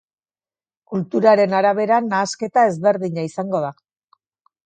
Kulturaren arabera nahasketa ezberdina izango da.